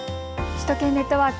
首都圏ネットワーク。